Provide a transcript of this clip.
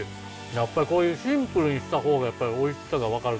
やっぱりこういうシンプルにした方がやっぱりおいしさか分かる。